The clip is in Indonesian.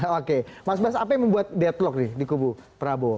oke mas bas apa yang membuat deadlock nih di kubu prabowo